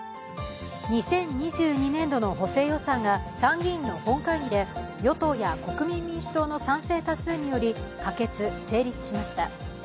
２０２２年度の補正予算が参議院の本会議で与党や国民民主党の賛成多数により、可決・成立しました。